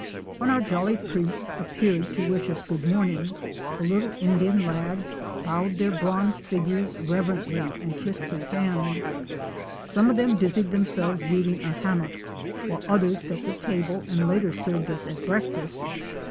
When our jolly priest appeared to wish us good morning, the little Indian lads bowed their bronze figures reverently and Fic. 95. FATHER GILLETT AND HIS INDIAN Boys. kissed his hand. Some of them busied themselves weaving a hammock, while others set the table and later served us at breakfast.